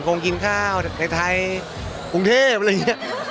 คงกินข้าวในไทยภูมิเทพอะไรอย่างเงี้ย